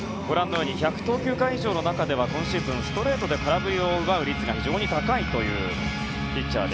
１００投球回以上の中ではストレートで空振りを奪う率が非常に高いというピッチャー。